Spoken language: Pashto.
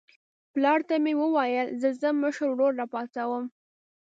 پلار ته مې وویل زه ځم مشر ورور راپاڅوم.